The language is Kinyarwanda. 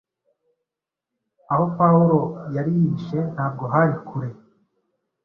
Aho Pawulo yari yihishe ntabwo hari kure